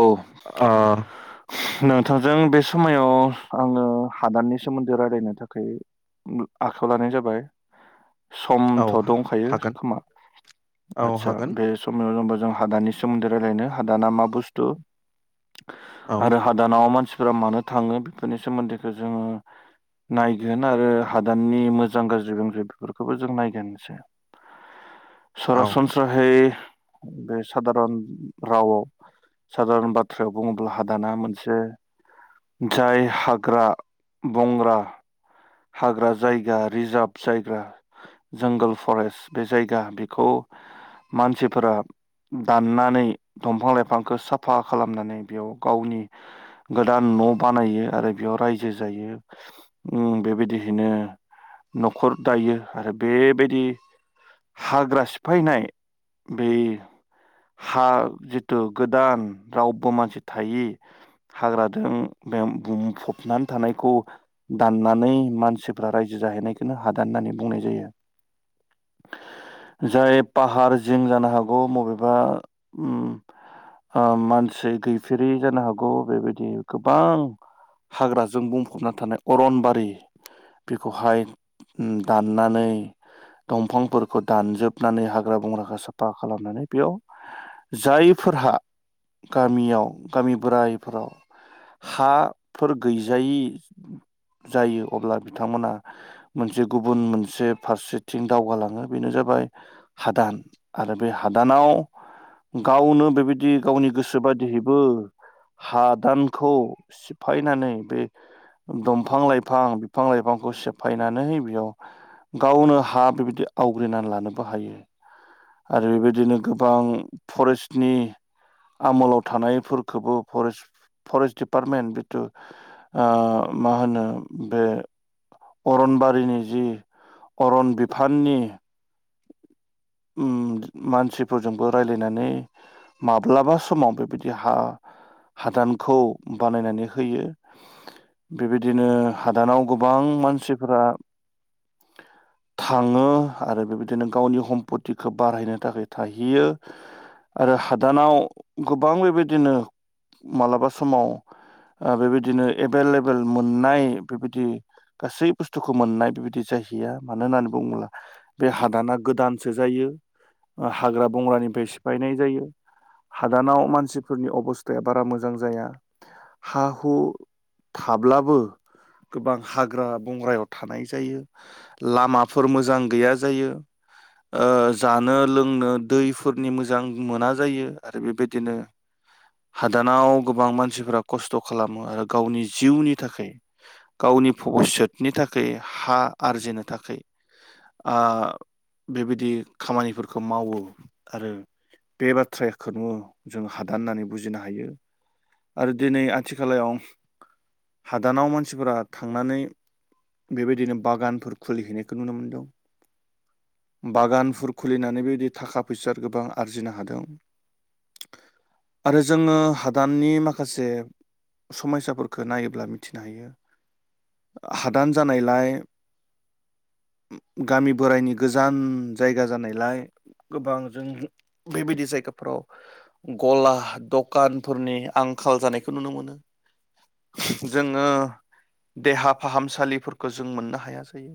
औ ओ नोंथांजों बे समायाव आङो हादाननि सोमोन्दै रायलायनो थाखाय आखायाव लानाय जाबाय। औ समथ' दंखायो हागोन खोमा औ आदसा हागोन बे समायाव जेनेबा जों हादानि सोमोन्दै रायलायनो हादाना मा बुस तु औ आरो हादानाव मानसि फोरा मानो थाङो बेफोरनि सोमोन्दैखौ जोङो नायगोन आरो हादाननि मोजां गाज्रि बेनिफ्राय बेफोरखौबो जों नायगोन एसे। औ सरासनस्राहैै बे सादारन रावआव सादारन बाथ्रायाव बुङोब्ला हादाना मोनसे जाय हाग्रा बंग्रा हाग्रा जायगा रिजार्भ जायग्रा जंगोल फरेस्ट बे जायगा बेखौ मानसिफोरा दाननानै दंफां लाइफांखौ साफ फा खालामनानै बेयाव गावनि गोदान न' बानायो आरो बेयाव रायजो जायो ओ बेबायदिहैनो न'खर दायो आरो बेबायदि हाग्रा सिफायनाय बे हा जिथु गोदान रावबो मानसि थायि हाग्रादों बें बुंफबनानै थानायखौ दाननानै मानसिफ्रा रायजो जाहैनायखौनो हादान होननानै बुंनाय जायो जाय पाहार जिं जानो हागौ मबेबा उम ओम मानसि गैफेरै जानो हागौ बेबायदि गोबां हाग्राजों बुंफबना थानाय अरनबारि बेखौहाय ओम दाननानै दंफांफोरखौ दानजोबनानै हाग्रा बंग्राखौ साफा खालामनानै बेयाव जायफोरहा गामियाव गामि बोरायफोराव हाफोर गैजायि जायो अब्ला बिथांमोना मोनसे गुबुन मोनसे फारसेथिं दावगालाङो बेनो जाबाय हादान आरो बे हादानाव गावनो बेबायदि गावनि गोसो सो बादिहैबो हादानखौ सिफायनानै बे दंफां लाइफां बिफां लाइफांखौ सेफायनानै बेयाव गावनो हा बेबायदि आवग्रिनानै लानोबो हायो आरो बेबादिनो गोबां फरेस्टनि आमोलाव थानायफोरखौबो फरेस्ट फरेस्ट दिडपार्टमेन्ट जिथु ओ मा होनो बे अरनबारिनि जि अरन बिफाननि उम मानसिफोरजोंबो रायलायनानै माब्लाबा समाव बेबायदि हा हादानखौ बानायनानै होयो बेबायदिनो हादानाव गोबां मानसिफोरा थाङो आरो बेबायदिनो गावनि हम्पत तिखौ बारहायनो थाखाय थाहैयो आरो हादानाव गोबां बेबायदिनो मालाबा समाव बेबायदिनो एभेलेबेल मोननाय बेबायदि गासै बुस्थुखौ मोननाय बेबायदि जाहैया मानो होननानै बुङोब्ला बे हादाना गोदान गोसो जायो हाग्रा बंग्रानिफ्राय सिफायनाय जायो हादानाव मानसिफोरनि अबस्थाया बारा मोजां जाया हा-हु थाब्लाबो गोबां हाग्रा बंग्रायाव थानाय जायो लामाफोर मोजां गैया जायो। ओ जानो लोंनो दैफोरनि मोजां मोना जायो आरो बेबायदिनो हादानाव गोबां मानसिफोरा खस्थ' खालामो आरो गावनि जिउनि थाखाय गावनि भबिसतनि थाखाय हा आरजिनो थाखाय ओ बेबायदि खामानिफोरखौ मावो आरो बे बाथ्राखोनो जोङो हादान होननानै बुजिनो हायो आरो दिनै आथिखालायाव हादानाव मानसिफोरा थांनानै बेबायदिनो बागानफोर खुलिहैनायखौ नुनो मोनदों । बागानफोर खुलिनानै बेबायदि थाखा फैसा गोबां आरजिनो हादों आरो जोङो हादाननि माखासे समयसाफोरखौ नायोब्ला मिथिनो हायो हादान जानायलाय गामि बोराइनि गोजाम गोजान जायगा जानायलाय गोबां जों बेबायदि जायगाफ्राव गला दखानफोरनि आंखाल जानायखौ नुनो मोनो जोङो देहा फाहामसालिफोरखौ जों मोननो हाया जायो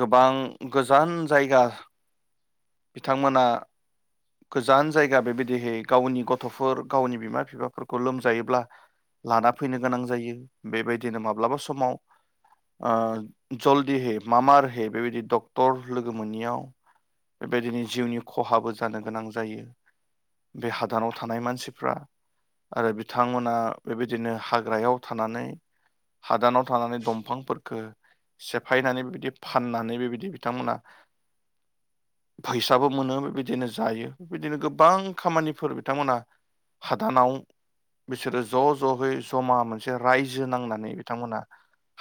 गोबां गोजौ गोजान जायगा बिथांमोना गोजान जायगा बेबायदिहै गावनि गथ'फोर गावनि बिमा बिफाफोरखौ लोमजायोब्ला लाना फैनो गोनां जायो बेबायदिनो माब्लाबा समाव ओ जलदिहै मामारहै बेबायदि डक्ट क्टर लोगो मोनैयाव बेबायदिनो जिउनि खहाबो जानो गोनां जायो बे हादानाव थानाय मानसिफ्रा आरो बिथांमोना बेबायदिनो हाग्रायाव थानानै हादानाव थानानै दंफांफोरफोरखौ सेफायनानै बेबायदि फाननानै बेबायदि बिथांमोना फैसाबो मोनो बेबायदिनो जायो बेबायदिनो गोबां खामानिफोर बिथांमोना हादानाव बिसोरो ज' ज'यै जमा मोनसे रायजो नांनानै बिथांमोना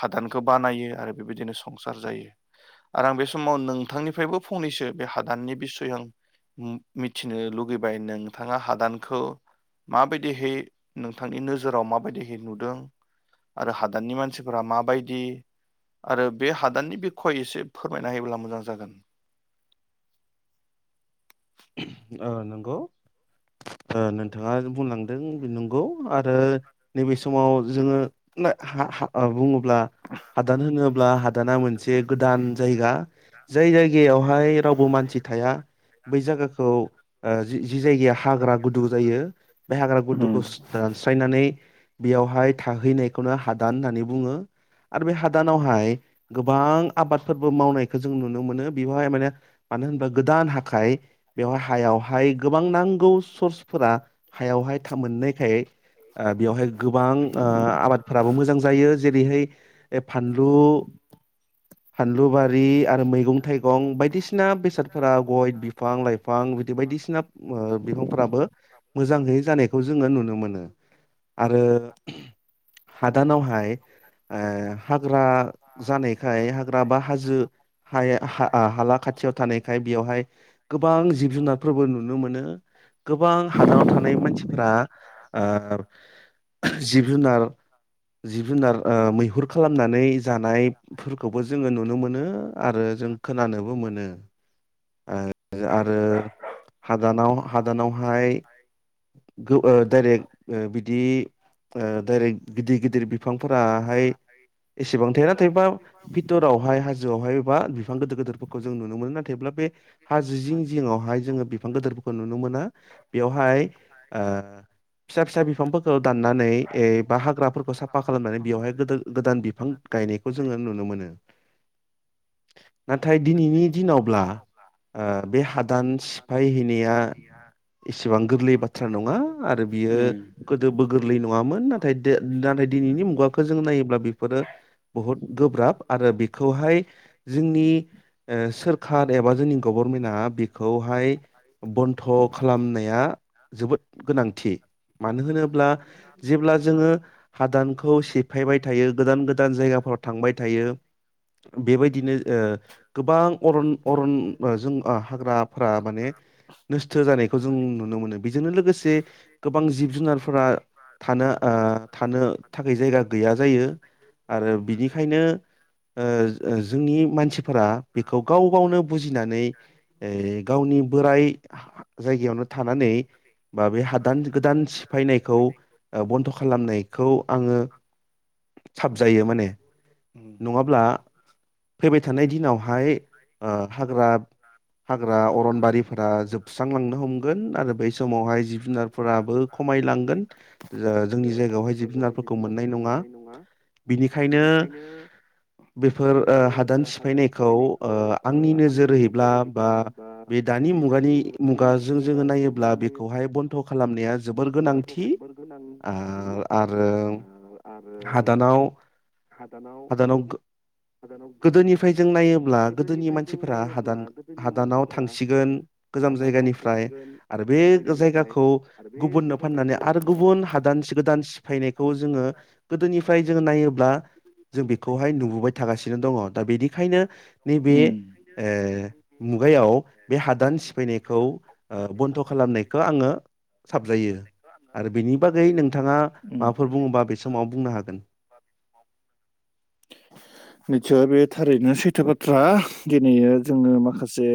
हादानखौ बानायो आरो बेबायदिनो संसार जायो आरो आं बे स समाव नोंथांनिफ्रायबो फंनैसो बे हादाननि बिसय आं मिथिनो लुगैबाय नोंथाङा हादानखौ माबायदिहै नोंथांनि नोजोराव माबायदिहै नुदों आरो हादाननि मानसिफोरा माबायदि आरो बे हादाननि बिखय एसे फोर फोरमायना होयोब्ला मोजां जागोन। ओ नंगौ ओ नोंथाङा बुंलांदों नंगौ आरो नैबे समाव जोङो नाय हा हा ओ‌ बुङो ब्ला हादान होनोब ब्ला हाद दाना मोनसे गोदान जायगा जाय जायगायावहाय रावबो मानसि थाया । बै जागाखौ ओ जि जि जायगाया हाग्रा गुदु जायो बे हाग्रा गुदुखौ उम दानस्रायनानै बेयावहाय थाहैनायखौनो हादान होननानै बुङो आरो बे हादानावहाय गोबां आबादफोरबो मावनायखौ जों नुनो मोनो बेवहाय माने मानो होनबा गोदान हाखाइ बेवहाय हायावहाय गोबां नांगौ सर्सफोरा हायावहाय थामोननायखाय ओ बेयावहाय गोबां ओ आबादफोराबो मोजां जायो। जेरैहाय फानलु फानलु बारि आरो मैगं थाइगं बायदिसिना बेसादफोरा गय बिफ फां लाइ फां बिदि बायदिसिना ओ बिफांफोराबो मोजांङै जानायखौ जोङो नुनो मोनो आरो हादानावहाय ओ हाग्रा जानायखाय हाग्रा बा हाजो हायाव हा आ हाला खाथियाव थानायखाय बेयावहाय गोबां जिब-जुनारफोरबो नुनो मोनो गोबां हादानाव थानाय मानसिफोरा ओ जिब-जुनार जिब-जुनार ओ मैहुर खालामनानै जानायफोरखौबो जोङो नुनो मोनो आरो जों खोनानोबो मोनो । ओ आरो हादानाव हादानावहाय गो ओ डाइरेक्ट बिदि ओ डाइरेक्ट गिदिर गिदिर बिफांफोराहाय एसेबां थाया नाथायबा बिथोरावहाय हाजोआवहाय बा बिफां गिदिर गोिदोरफोरखौ जों नुनो मोनो नाथायब्ला बे हाजो जिं जिङावहाय जोङो बिफां गोदोरफोरखौ नुनो मोना बेवहाय ओ फिसा फिसा बिफांफोरखौ दाननानै ए बा हाग्राफोरखौ साफा खालामनानै बेवहाय गोदोन गोदान बिफां गायनायखौ जोङो नुनो मोनो । नाथाय दिनैनि दिनावब्ला ओ बे हादान सिफायहैनाया एसेबां गोरलै बाथ्रा नङा आरो बियो गोदोबो गोरलै नङामोन नाथाय नाथाय दिनैनि मुगाखौ जों नायोब्ला बेफोरो बहुद गोब्राब आरो बेखौहाय जोंनि ओ सोरखार एबा जोंनि गभर्नमेन्टआ बेखौहाय बन्ध' खालामनाया जोबोद गोनांथि मानो होनोब्ला जेब्ला जोङो हादानखौ सेफायबाय थायो गोदान गोदान जायगाफोराव थांबाय थायो बेबायदिनो ओ गोबां अरन अरन ओ जों ओ हाग्राफोरा माने नोस्थो जानायखौ जों नुनो मोनो बेजोंनो लोगोसे गोबां जिब जुनारफोरा थानो ओह थानो थाखै जायगा गैया जायो आरो उम बिनिखायनो ओह ओह जोंनि मानसि फोरा बेखौ गाव गावनो बुज गिनानै ओइ गावनि बोराय जायगायावनो थानानै बा बे हादान गोदान सिफायनायखौ बन्द' खालामनायखौ आङो साबजायो माने उम नङाब्ला फैबाय थानाय दिनावहाय आ हाग्रा हाग्रा अरनबारिफोरा जोबस्रांलांनो हमगोन आरो बै समावहाय जिब-जुनारफोराबो खमायलांगोन जो-जोंनि जायगायावहाय जिब-जुनारफोरखौ मोननाय नङा बिनिखायनो बेफोर ओ हादान फैनायखौ ओ आंनि नोजोरहैब्ला बा बे दानि मुगानि मुगाजों जोङो नायोब्ला बेखौहाय थ' खालामनाया जोबोर गोनांथि आ-आरो हादानाव हादानाव गो-गोदोनिफ्राय जों नायोब [unintelligible] गोदोनि मानसिफोरा हादान हादानाव थांसिगोन गोजाम जायगानिफ्राय आरो बे जायगाखौ गुबुननो फाननानै आरो गुबुन हादानस गोदान सिफायनायखौ जोङो गोदोनिफ्राय जों नायोब्ला जों बेखौहाय नुबोबाय थागासिनो दङ दा बेनिखायनो नैबे ओ मुगायाव बे हादान सिफायनायखौ ओ बन्द' खालामनायखौ आङो साबजायो आरो बेनि बागै नोंथाङा माबाफोर बुङोबा बे समाव बुंनो हागोन। निचछय बे थारैनो सैथो बाथ्रा दिनैयो जोङो माखासे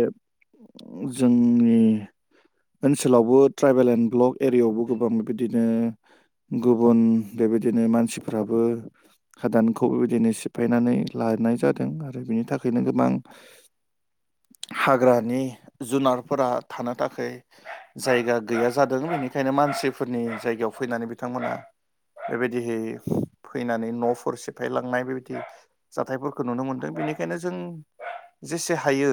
जोंनि ओनसोलावबो ट्राइबेल एन्ड ब्लक एरियायावबो गोबां बिबिदिनो गुबुन बेबायदिनो मानसिफोराबो हादानखौ बेबायदिनो सिफायनानै लानाय जादों आरो बिनि थाखैनो गोबां हाग्रानि जुनारफोरा थानो थाखै जायगा गैया जादों बेनिखायनो मानसिफोरनि जायगायाव फैनानै बिथांमोना बेबायदिहै फैनानै न नखर सिफायलांनाय बेबायदि जाथायफोरखौ नुनो मोनदों बेनिखायनो जों जेसे हायो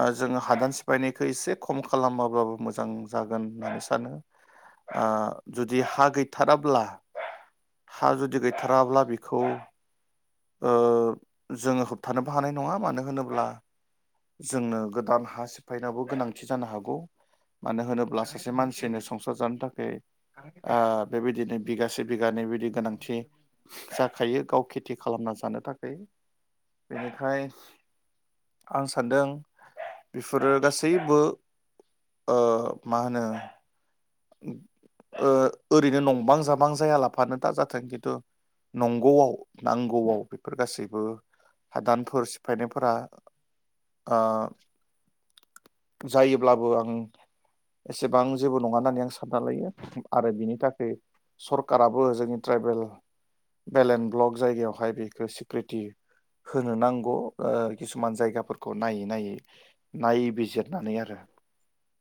ओ जोङो हादान सिफायनायखौ एसे खम खालामाबाबो मोजां जागोन होननानै सानो ओ जुदि हा गैथाराब्ला हा जुदि [unintelligible] बेखौ ओह जोङो होबथानोबो हानाय नङा मानो होनोब्ला जोंनो गोदान हा सिफायनायावबो गोनांथि जानो हागौ मानो होनोब्ला सासे मानसिनो संसार जानो थाखै ओ बेबायदिनो बिगासे बिगानै बिदि गोनांथि जाखायो गाव खेथि खालामना जानो थाखै बेनिखाय आं सानदों बेफोरो गासैबो ओह मा होनो ओ ओरैनो नंबां जाबां जायालाफानो दा जाथों खिन्थु नंगौआव नांगौआव बेफोर गासैबो हादानफोर सिफायनायफोरा ओह जायोब्लाबो आं एसेबां जेबो नङा होननानै आं साननआरो बिनि थाखाय सरखाराबो जोंनि ट्राइबेल बेल एन ब्लक जायगायावहाय बेखौ सिकरिति होनो नांगौ किसुमान जायगाफोरखौ नायै नायै नायबिजिर नानै आरो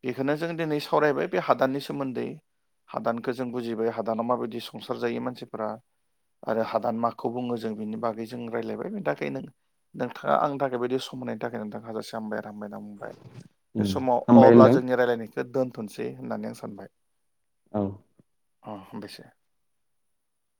बेखौनो जो [unintelligible] दिनै सावरायबाय बे हादाननि से सोमोन्दै हादानखो जों बुजिबाय हादानाव माबायदि संसार जायो मानसिफोरा आरो हादान माखौ बुङो जों बिनि बागै जों रायजलायबाय बेनि थाखायनो नोंथाङा आंनि थाखाय बदि सम होनायनायनि थाखाय नोंथाङा हाजासे हामबाय [inaudible] बे समाव हामबाय अब्ला होनदों जोंनि रायलायनायखौ दोनथ'सै। होनानै आं सा सानबाय औ । [unintelligible]